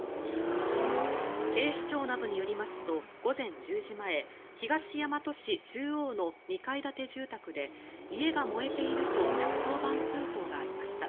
警視庁などによりますと午前１０時前東大和市中央の２階建て住宅で家が燃えていると１１０番通報がありました。